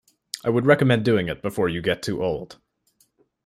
I would recommend doing it before you get too old.